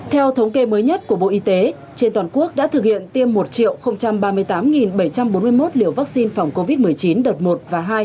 theo thống kê mới nhất của bộ y tế trên toàn quốc đã thực hiện tiêm một ba mươi tám bảy trăm bốn mươi một liều vaccine phòng covid một mươi chín đợt một và hai